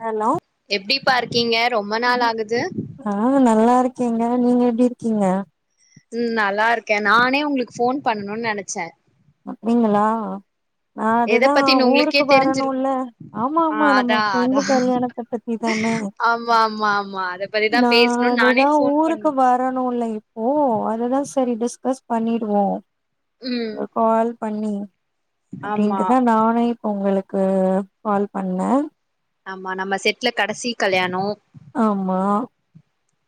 கலோ எப்பிடிப்பா இருக்கீங்க ரொம்ப நாள் ஆகுது ஆ நல்லா இருக்கேங்க நீங்க எப்பிடி இருக்கீங்க ம் நல்லா இருக்கேன் நானே உங்களுக்கு ஃபோன் பண்ணணுன்னு நெனைச்ச அப்டிங்களா அ எத அதுதான் பத்தினு உங்களுக்கே ஊருக்கு தெரிஞ்சிருக்கு வரணும்ல்ல ஆமா ஆ ஆமா நம்ம அதா அதா ஃப்ரெண்டு கல்யாணத்தப்ப த்தி தான ஆமா ஆமா ஆமா அத பத்திதா நா பேசணுன் நானே அதுதான் ஃபோன் பண்ண ஊருக்கு வ ரணுல்ல இப்போ அதுதா சரி டிஸ்கஸ் பண்ணிடுவோம் ம் கால் பண்ணி ஆமா அப்டின்ட்டுதா நானே உங்களுக்கு கால் பண்ணே ஆமா நம்ம செட்ல கடசி கல்யாணோ ஆமா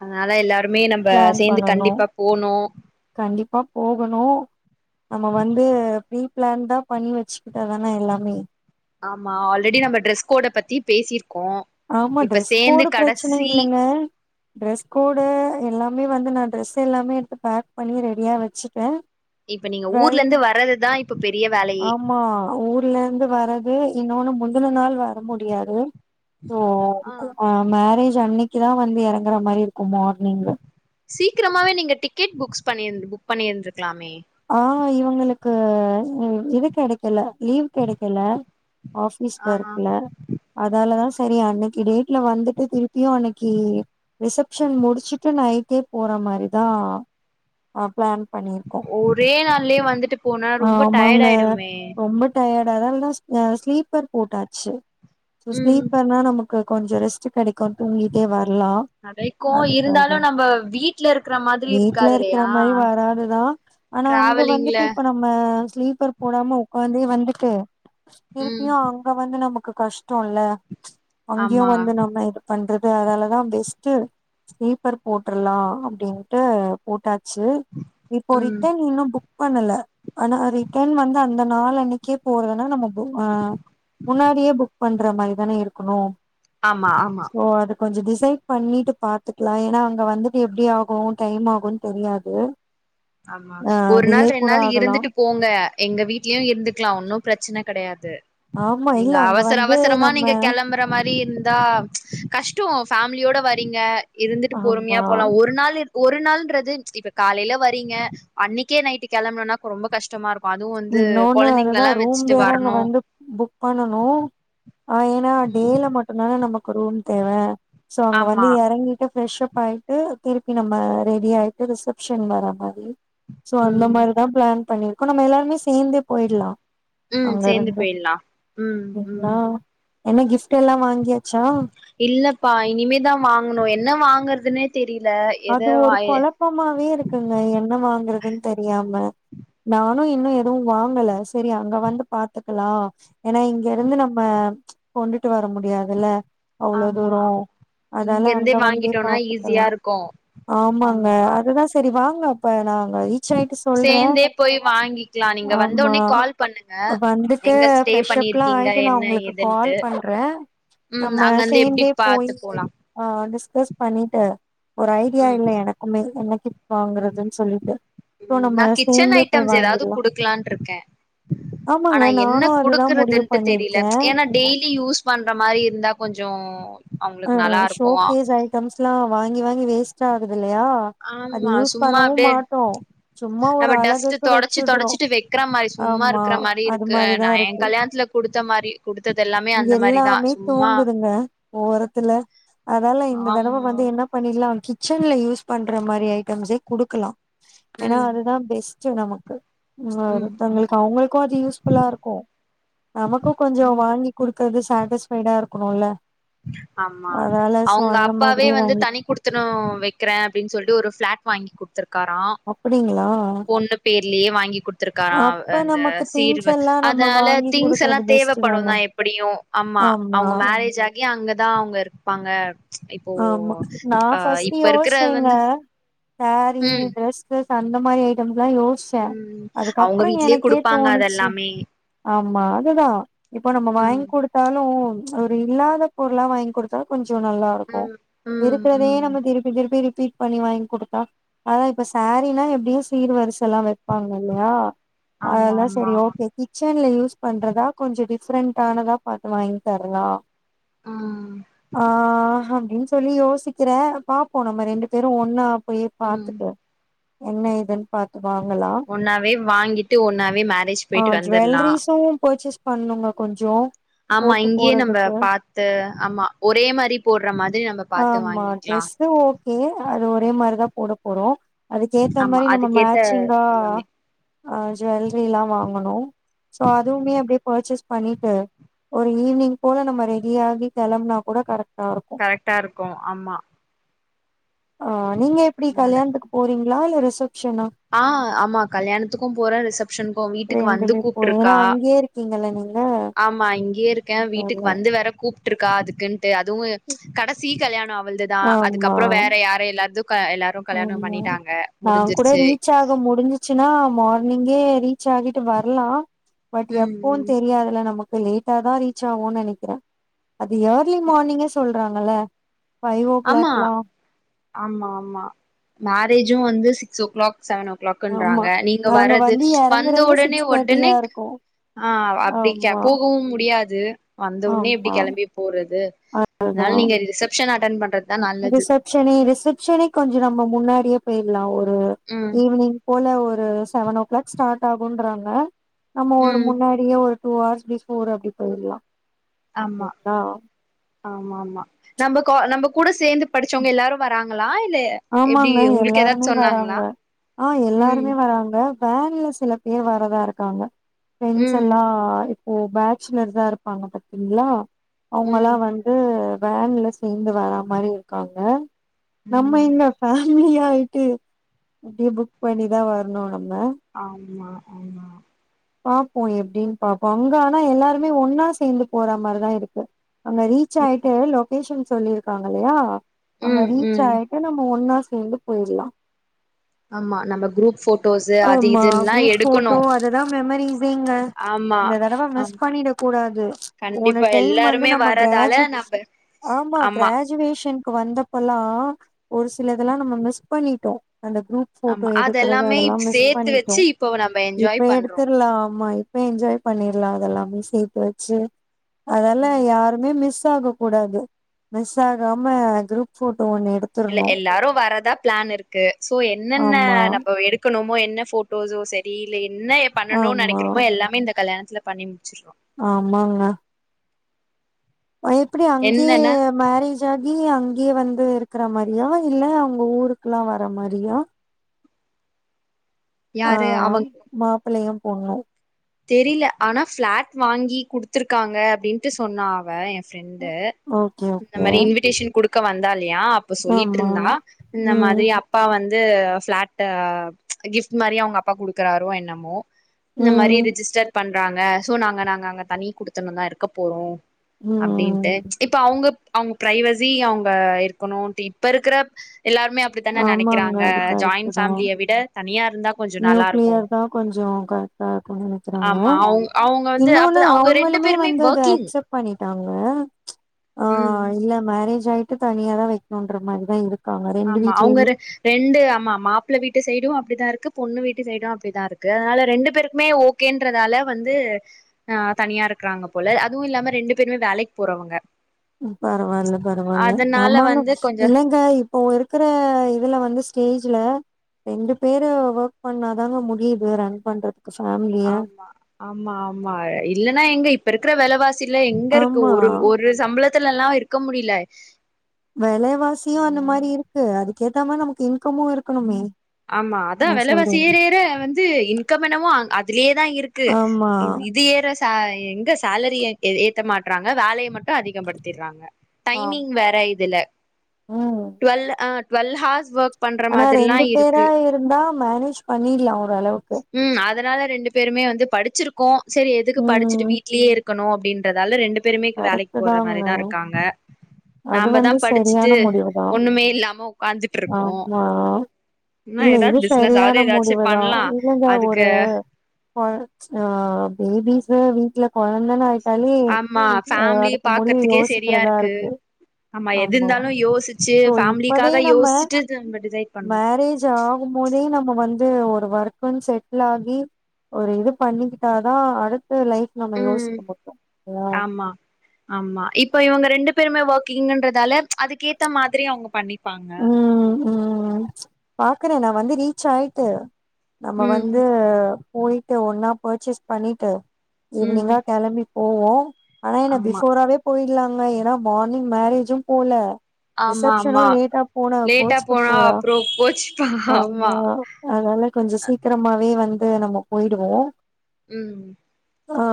அதனால எல்லாருமே நம்ம பிளான் சேந்து பண்ணனு கண்டிப்பா போனு கண்டிப்பா போகணு நம்ம வந்து ப்ரீ பிளான்டா பண்ணி வச்சுக்கிட்டா தானே எல்லாமே ஆமா ஆல்ரெடி நம்ம டிரெஸ் கோட பத்தி பேசிருக்கோ ஆமா இப்ப டிரெஸ் சேந்து கோடு பிரச்சன கடசி இல்லங்க டிரெஸ் கோட எல்லாமே வந்து நான் டிரெஸ் எல்லாமே எடுத்து பேக் பண்ணி ரெடியா வச்சுட்டே இப்ப நீங்க ஊர்ல வெல் இருந்து வர்றதுதா இப்ப பெரிய வேல ஆமா ஊர் ல்லந்து வர்றது இன்னொன்னு முந்துன நாள் வர முடியாது ஆ மேரேஜ் அன்னிக்கி தா வந்து இறங்கற மாரி இருக்கு மார்னிங்கு சீக்கிரமாவே நீங்க டிக்கெட் புக்ஸ் பண்ணி புக் பண்ணிருந்துருக்கலாமே ஆ இவங்களுக்கு இது கெடைக்கல லீவ் கெடைக்கல ஆபீஸ் ஆ ஒர்க்ல அதாலதா சரி அன்னிக்கு டேட்ல வந்துட்டு திருப்பியு அன்னிக்கி ரிசப்ஷன் முடிச்சுட்டு நைட்டே போற மாரிதா அ பிளான் பண்ணிருக்கோ ஒரே நாள்லயே வந்துட்டு போனா ரொம்ப டயர்ட் ஆயிடுமே டயர்ட் அதால் தா சொன்னே ஸ்லீப்பர் போட்டாச்சு சோ ம் ஸ்லீப்பர்னா நமக்கு கொஞ்ச ரெஸ்ட ட் கடைக்கு தூங்கிட்டே வர்லா கடைக்கு இருந்தாலு அதுக்காக நம்ம வீட்ல இருக்கற மாதிரி வீட்ல இருக்காது இருக்கற இல்லையா மாரி வராதுதா ஆனா அங்க டிராவலிங்ல வந்துட்டு இப்ப நம்ம ஸ்லீப்பர் போடாம ஒக்காந்தே வந்துட்டு ம் திருப்பியு அங்க வந்து நமக்கு கஷ்டோல்ல அங்கயு ஆமா வந்து நம்ம பண்றது அதாலதான் பெஸ்ட்டு ஸ்லீப்பர் போட்டுரலா அப்டின்ட்டு போட்டாச்சு இப்போ ம் ரிட்டன் இன்னு புக் பண்ணல ஆனா ரிட்டன் வந்து அந்த நாளன்னிக்கே போறதனா நம்ம பு ஆ முன்னாடியே புக் பண்ற மாரி தானே இருக்கணு ஆமா ஆமா சோ அது கொஞ்சோ டிசைட் பண்ணிட்டு பாத்துக்கலா ஏன்னா அங்க வந்துட்டு எப்டி ஆகும் டைம் ஆகும்னு தெரியாது ஆமா ஆ ஒரு டிலே நாள் ரெண்டு கூட நாள் ஆகலா இருந்துட்டு போங்க எங்க வீட்லயும் இருந்துக்கலாம் ஒன்னும் பிரச்சன கடையாது ஆமா இல்ல நீங்க அங்க அவசர வந்து அவசரமா நம்ம நீங்க கெளம்பற மாரி இருந்தா கஷ்டோ ஃபேமிலியோட வரீங்க இருந்துட்டு ஆமா பொறுமையா போலா ஒரு நாள் இரு ஒரு நாள்ன்றது இப்ப காலைல வரீங்க அன்னிக்கே நைட்டு கெளம்பனுனா ரொம்ப கஷ்டமா இருக்கு அதுவும் வந்து இன்னொன்னு அதுதா கொழந்தைங்களலா ரூம் வச்சிட்டு வேற அங்க வரணு வந்து புக் பண்ணனு ஏன்னா ம் டேல மட்டு தானே நமக்கு ரூம் தேவ சோ அங்க வந்து ஆமா எறங்கிட்டு ஃப்ரெஷ் அப் ஆயி ட்டு திருப்பி நம்ம ரெடி ஆயிட்டு ரிசப்ஷன் வர மாரி சோ அந்த ம் மாரிதா பிளான் பண்ணிருக்கோ நம்ம எல்லாருமே சேந்தே போயிட்லா ம் அங்க சேந்து இருந்து போயிட்லா ம் ம் என்னா என்ன கிஃப்ட் எல்லா வாங்கியாச்சா இல்லப்பா இனிமே தா வாங்குனு என்ன வாங்கறதுனே தெரியில அது ஒரு கொழப்பமாவே இருக்குங்க என்ன வாங்குறதுன் தெரியாம நானு இன்னு எதுவும் வாங்கல செரி அங்க வந்து பாத்துக்கலா ஏனா இங்க ம் இருந்து நம்ம கொண்டுட்டு வர முடியாதுல அவ்வளோ ஆமா தூரொ ஆமா இங்க அதால இருந்தே அங்க வந்தே வாங்கிட்டோனா பாத்துக்கலா ஈஸியா இருக்கு ஆமாங்க ஆமா அதுதா சரி வாங்க அப்ப நாங்க ரீச் ஆயிட்டு சொல்றோ சேந்தே போய் வாங்கிக்கலா நீங்க வந்த ஆமா ஒடனே கால் பண்ணுங்க வந்துட்டு எங்க ஸ்டே ஃப்ரெஷ்ப்லா பண்ணிருக்கீங்க ஆயிட்டு நா என்ன உங்களுக்கு கால் ஏதுன்ட்டு பண்றே ம் நம்ம அங்கந்து எப்டி சேந்தே பாத்து போயி போலா ஆ டிஸ்கஸ் பண்ணிட்டு ஒரு ஐடியா ம் இல்ல எனக்குமே என்ன கிஃப்ட் ம் வாங்குறதுன்னு சொல்லிட்டு சோ நம்ம நா கிச்சன் சேந்தே போய் ஐட்டம்ஸ் எதாவ்து வாங்கிட்லா குடுக்கலான்ருக்கே ஆமாங்க ஆனா என்ன நானு அதுதா முடிவு குடுக்குறதுன்ட்டு தெரியில பண்ணிருக்கே ஏன்னா டெய்லி யூஸ் பண்ற மாரி இருந்தா கொஞ்ஜோ ஆ ஷோகேஸ் ஐட்டம்ஸ் எல்லா வாங்கி வாங்கி வேஸ்ட்டா ஆகுது இல்லையா அது ஆமா யூஸ் சும்மா பண்ணவு அப்டியே மாட்டோ சும்மா ஒரு நம்ம டஸ்ட்டு அழகுக்கு தொடச்சு வச்சுட்றோ தொடைச்சிட்டு வெக்கிற மாரி சும்மா ஆமா இருக்கிற மாரி அது இருக்கு மாரிதா நா என் இருக்கு கல்யாணத்துல குடுத்த மாரி குடுத்தது எல்லாமே அந்த மாரிதா எல்லாமே சும்மா தூங்குதுங்க ஓரத்துல அதால இந்த தடவ ஆமா வந்து என்னப் பண்ணிலாம் கிச்சன்ல யூஸ் பண்ற மாரி ஐட்டம்ஸே குடுக்கலா ஏனா ம் அதுதா பெஸ் டு நமக்கு ம் தங்களுக்கு ம் அவங்களுக்கூ அது யூஸ்ஃபுல்லா இருக்கூ நமக்கூ கொஞ்சொ வாங்கி குடுக்கறது சாட்டிஸ்ஃபைடா இருக்கணுல ஆம்மா அவுங்க அப்பாவே மாதிரி வந்து வாங்கி தனிக் குடுத்து குத்துனோ வெக்கிற அப்டின் சொல்லிட்டு ஒரு ஃபிளாட் வாங்கி குத்துருக்காரா அப்படிங்களா பொண்ணு பேர்லேயே வாங்கி குடுத்திருக்காரா அவ் அப்ப அந்த நமக்கு சீர் திங்ஸ் வ எல்லா நம்ம அதனால வாங்கி திங்ஸ் எல்லா குடுக்கறது தேவ பெஸ்ட் படுந்தா தான எப்படியு ஆமா அவுங்க மேரேஜ் ஆகி அங்கதா அவுங்க இருப்பாங்க இப்போ ஆமா நா ஆ ஃபஸ்ட் இப்ப இருக்கிற யோஸ்ச்சேங்க வந்து சாரீ ம் டிரெஸ்சஸ் அந்த மாரி ஐட்டம்ஸ்லா யோஸ் ச்ச ம் அவங்க அதுக்கப்பற வீட்லயே எனக்கே குடுப்பாங்க அது தோணுச்சு எல்லாமே ஆம்மா அதுதா இப்போ நம்ம ம் வாங்குடுத் த்தாலு ஒரு இல்லாத பொருளா வாங் குடுத்தா கொஞ்சோ நல்லாரு ம் ம் இருக்கறதே ம் நம்ம திருப்பி திருப்பி ரிப்பீட் பண்ணி வாங்கிகுடுத்தா அதா இப்ப சாரீன்னா எப்டியு சீர் வர்சலாம் வெப்பாங்க இல்லையா ஆமா அதல்லா செரி ஆமா ஓகே கிச் கிச்சன்ல யூஸ் பண்றதா கொஞ்சோ டிஃப்ரெண்டானதா பாத்து வாங்கி தர்லா ம் ஆ அப்படின்னு சொல்லி யோசிக்கிறே பாப்போ நம்ம ரெண்டு பேரு ஒன்னா போய் ம் பாத்துட்டு என்ன ஏதுன் பாத்து வாங்களா ஒன்னாவே வாங்கிட்டு ஒன்னாவே மேரேஜ் ஆ போயிட்டு வந்துர்லா ஜிவல்ருஸும் பர்சேஸ் பண்ணுங்கொ கொஞ்ஜோ ஆமா இங்கேயே நம்ப பாத்து ஆமா ஒரே மாரி போட்ற மாரி நம்ம பாத்து ஆம்மா வாங்கிக்கலா ட்ரெஸ்ஸு ஓகே அது ஒரே மாரிதா போட போறோ. அதுக்கேத்த ஆமா மாரி நம்ம அதுக்கேத்த மேச்சிங்கா எல்லாமே அ ஜுவல்ரி எல்லா வாங்குணு. சோ அதுவுமே அப்டியே பர்ச்சேஸ் பண்ணிட்டு ஒரு ஈவினிங் போல நம்ம ரெடியாகி கெளம்னா கூட கரெக்ட்டாரு கரெக்ட்டா இருக்கு ஆம்மா. அ நீங்க எப்டி அதனால கல்யாண்த்துக்கு போறீங்ளா இல்ல ரிசப்ஷனா? ஆ ஆமா கல்யாணத்துக்கும் போற ரிசப் ஷன்க்கு வீட்டுக்கு வந்து ரெண்டுமே போறீங்க ஏன்னா கூப்ட்ருக்கா அங்கேயே இருக்கீங்கல்ல நீங்க ஆமா இங்கியேரு க்கே வீட்டுக்கு அதனால. வந்து வேற கூப் ட்ருக்கா அதுக்குன்ட்டு அதுவு கடைசி கல்யாணோ அவுள்துதா ஆமா அதுக்கப்பறோ வேற யாரு எல்லார்து க எல்லாரு கல்யாணம் பண்ணிட்டாங்க முடிஞ்சிருச்சு. யாக முடிஞ்சிச்சினா மார்னிங்கே ரீச் ஆகிட்டு வர்லா. பட் ம் எப்போன் ம் தெரியாதுல்ல நமக்கு லே ட்டாதா ரீச் ஆவோ நெனைக்கிறே அது ஏர்லி மார்னிங்கே சொல்றாங்கல்ல. ஃபை ஓ கிளாக்லா ஆம்மா ஆம்மா மேரேஜு வந்து சிக்ஸ் ஓ கிளாக் செவன் ஓ ஆமா கிளாக்குன்றாங்க நீங்க நாங்க வறது வந்து வந்த எறங்குறதே உடனே சிக்ஸ் ஒடனே தேர்ட்டியா இருக்கு ஆ ஆ அப்டி கே ஆமா போகவும் முடியாது வந்தவுன்னே எப்டி ஆமா கெளம்பி போறது. அதுதா னால் நீங்க ரி ரிசப்ஷன் அட்டன் பண் ரிசப்ஷனே ரிசப்ஷனே கொஞ்சோ நம்ப முன்னாடியே போய்ர்லா ஒரு ம் ஈவினிங் போல ஒரு செவன் ஓ கிளாக் ஸ்டாட் ஆகுன்றாங்க நம்ம ஒரு ம் முன்னா டியே ஒரு டூ ஹார்ஸ் பிஃபோர் அப்டி போயிர்லா. ஆம்மா ஆமாமா நம்ப கா நம்ப கூட சேந்து படிச்சவங்க எல்லாரு வராங் களா இல்ல எப்டி ஆமாங்க உங்களுக்கு எல்லாருமே ஏதாச்சு வராங்க சொன்னாங்களா ஆ ம் எல்லாருமே வராங்க. வேன்ல சில பேர் வரதா இருக்காங்க ஃப்ரெண்ஸ் ம் எல்லா இ ஓ பேச்சுலர்தா இருப்பாங்க பத்தீங்ளா அவுங்கள்லா ம் வந்து வேன்ல ஸ் சேந்து வரா மாரி இருக்காங்க. ம்ம ம் என்ன ஃபேமிலி ஆயிட்டு அப்டியே புக் பண்ணிதா வர்ணு நம்ம. ஆம்மா ஆமா. பாப்போ எப்டின் பாப்போ அங்க ஆனா எல்லாருமே ஒன்னா சேந்து போற மாரிதா இருக்கு. அங்க ரீச் ம் ஆயிட்டு லொக்கேஷன் சொல்லிருக்காங்க இல்லையா அங்க ம் ரீச் ம் ஆய் ட்டு நம்ம ஒன்னா சேந்து போயிர்லா. ஆம்மா நம்ப குருப் ஃபோட்டோஸு அது இதுன்லா எடுக்கணு. அதா மெமரீஸ்சேங்க. ஆமா இந்த தடவ மிஸ் ஆம் பண்ணிடக் கூடாது போன கண்டிப்பா டைம் வந்து எல்லாருமே நம்ம வரதால கிரேஜுவ் நம்ப ஆமா கிரேஜுவேஷன் க்கு வந்தப்பல்லா ஒரு சிலதல்லா நம்ம மிஸ் பண்ணிட்டோ அந்த குரூப் போட்டோ ஆமா அது எடுக்கறது எல்லாமே அதெல்லா இப் மிஸ் சேத்து வெச்சி இப்போவ நம்ப என்ஜாய் பண்றோ. ல்ல ஆமா இப்ப என்ஜாய் பண்ணிட்லா அதெல்லாமே சேத்து வெச்சு. அதெல்லா யாருமே மிஸ் ஆக கூடாது மிஸ் ஆகாம குரூப் ஃபோட்டோ ஒன்னு எடு இல்ல எல்லாரு வரதா பிளான் இருக்கு சோ என்னென்ன ஆமா நம்பவ் எடு க்குணுமோ என்ன ஃபோட்டோஸோ செரி இல்ல என்ன எ பண்ணனுன் ஆமா நெனைக்கிறோமோ எல்லாமே இந்த கல்யாணத்துல பண்ணிம் சிர்றோ. ஆம்மாங்க அது எப்பிடி அங்கே என்னன்னா மேரேஜ் ஆகி அங்கயே வந்து இருக்குற மாரியா இல்ல அவுங்க ஊருக்குலா வர மாரியா ஆ யாரு அவங்க மாப்பளையு பொண்ணு தெரில ஆனா ஃபிளாட் வாங்கி குடுத்துருக்காங்க அப்டின்ட்டு சொன்னா அவ எ ஃப்ரெண்ட்டு ஓகே இந்த ஓகே மேரி இன்விடேஷன் குடுக்க வந்தா இல்லயா அப்ப ஆமா சொல்லிட்ருந்தா இந்த ம் மாதிரி அப் பா வந்து பிளாட்டா கிஃப்ட் மாரி அவங்கப்பா குடுக்குறாரோ என்னமோ இந்த மாரி ம் ரிஜிஸ்டர் பண்றாங்க சோ நாங்க நாங்க அங்க தனி குடுத்தணுந்தா இருக்க போறோ அப்டின்ட்டு ம் இப் ப அவங்க அவங்க பிரைவசி அவங்க இருக்கணும்ட்டு இப்ப இருக்குற எல்லாருமே அப்படித்தான ஆமாங்க நெனைக்கிறாங்க அது ஜாயின் கரெக்ட்டு தா ஃபேமிலிய விட தனியா இருந்தா கொஞ்சோ நல்லா இருக்கு நியூக்ளியர் தா கொஞ்ச கரெக்ட்டா இருக்கு றாங்க ஆமா அவங் அவங்க வந்து இன்னொன்னு அப்ப அவங்க ரெண்டு அவங்களுமே பேருமே வந்து அது ஒர்க்கிங் அக்சப்ட் பண்ணிட்டாங்க ஆ ம் இல்ல மேரேஜ் ஆயிட்டு தனியா தா வைக்கணும்ன்ற மாரிதா இருக்கு ஆமா அவங்க ரெ ரெண்டு ஆமா மாப்பிள்ள வீட்டு சைடு அப்டிதா இருக்கு பொண்ணு வீட்டு சைடு அப்டிதா இருக்கு அதனால ரெண்டு பேருக்குமே ஒ கேன்றதால வந்து ஆ தனியா இருக்கறாங்க போல அதுவு இல்லாம ரெண்டு பேருமே வேலைக்கு போறவங்க பரவால்ல பரவால்ல அதனால ஆமாங்க வந்து கொஞ்ச இல்லங்கா இப்போ இருக்கிற இதுல வந்து ஸ்டேஜ்ல ரெண்டு பேரு ஒர்க் பண்ணாதாங்க முடியுது ரன் பண்றது ஃபேமிலி ஆமா ஆமா ஆமா இல்லன்னா எங்க இப்ப இருக்கற வெலவா சில எங்க இருக்கு ஆமா ஒரு ஒரு சம்பளத்துலல்லா இருக்க முடில வெலைவாசியு அந்த மாரி இருக்கு அதுக்க ஏத்தா மாரி நமக்கு இன்கமு இருக்கணுமே ஆமா அதா என்ன வெலவாசி சொல்றீங்க ஏற ஏற வந்து இன்கம் என்னமோ அதுலேயேதா இருக்கு ஆமா இது ஏற சா எங்க சேலரி எ ஏத்த மாட்டறாங்க வேலைய மட் டு அதிகப்படுத்திடுறாங்க டைமிங் ஆமா வேற இதுல ம் டுவெல் ஆ வல் ம ஹார்ஸ் ஒர்க் பண்ற ஆனா மாதிரிலா ரெண்டு பேரா இருக்கு இருந்தா மேனேஜ் பண்ணிர்லா ஓரளவுக் ம் அதனால ரெண்டு பேருமே வந்து படிச்சிருக்கோ சரி எதுக்கு படிச்சுட்டு ம் வீ ட்லயே இருக்கணு அப்டின்றதால ரெண்டு பேருமே வேலைக்கு கரெக்ட் போற தாங்க மாரிதா இருக்காங்க அது நாமதா வந்து படிச்சுட்டு சரியான முடிவுதா ஒண்ணுமே இல்லாம உக்காந்துட்ருக்கோ ஆமா என்ன இல்ல இது ஏதாச்சு பிசினஸ் ஆவது சரியான எதாச்சு பண்லா அதுக்கு அ ஆ பேபிஸ் வீட்ல கொழந்தனாயிட்டாலே ஆமா ஃபேமிலிய பாக்குறத்துக்கே சரியா இருக்கு ஆமா எது இருந்தாலு யோசிச்சு சோ இப்பவே ஃபேமிலிக்காக நம்ம யோசச்சிட்டு தா நம்ம டிசைட் பண்ணு மேரேஜ் ஆகும் போதே நம்ம வந்து ஒரு ஒர்க்கன்னு செட்டில் ஆகி ஒரு இது பண்ணிக்கிட்டாதா அடுத்து லைஃப் நம்ம யோசிக்க மாட்டோ இல்லயா ஆமா ஆமா இப்ப இவங்க ரெண்டு பேருமே ஒர்க்கிங்ன்றதால அதுக்கேத்த மாதிரி அவங்க பண்ணிப்பாங்க ம் ம் பாக்கறே நா வந்து ரீச் ஆயிட்டு நம்ம ம் வந்து போயிட்டு ஒன்னா பர்ச்சேஸ் பண்ணிட்டு ம் ஈவினிங்கா கெளம்பி போவோ ஆனா என்ன ஆமா பிஃபோராவே போயிட்லாங்க ஏன்னா மார்னிங் மேரேஜு போல ஆமா ரிசப்ஷனு ஆமா லேட்டா போனா லேட்டா கோச்சுக்க போனா போறா அப்புறோ கோச்சுப்பா ஆமா அதனால கொஞ்ச சீக்கிரமாவே வந்து நம்ம போயிடுவோ ம் ஆ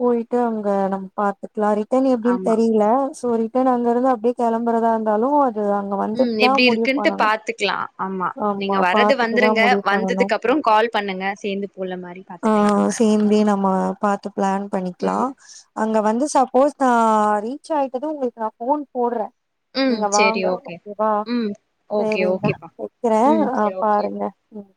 போயிட்டு அங்க நம் பாத்துக்குலா ரிட்டன் எப்டின்னு ஆமா தெரியில சோ ரி ட்டன் அங்க இருந்து அப்டியே கெளம்பறதா இருந்தாலு அது அங்க வ ம் வந்துட்தா எப்டி முடிவு இருக்குன்ட்டு பண்ணணு பாத்துக்கலா ஆமா நீங்க வர்றது பாத்துட்டு தா வந்துருங்க முடிவு பண்ணணு வந்ததுக்கு அப்றோ கால் பண்ணுங்க சேந்து போல மாரி ஆ பாத்துக்கலா நம்ம சேந்தே நம்ம பாத்து பிளான் பண்ணிக்குலா அங்க ம் வந்து சப்போஸ் நா ரீச் ஆயிட்டது உங்களுக்கு நா ஃபோன் போடுறே ம் நீங்க சேரி வாங்க ஓகே கேவா ம் ஓகே சேரிங்க ஓகேப்பா வைக்கிறே ம் ஆ சேரி ஓகே பாருங்க ம்